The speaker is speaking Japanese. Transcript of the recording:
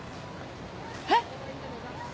えっ？